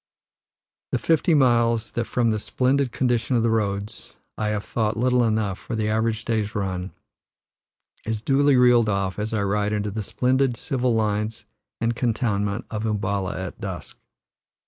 The fifty miles, that from the splendid condition of the roads I have thought little enough for the average day's run, is duly reeled off as I ride into the splendid civil lines and cantonment of Um balla at dusk.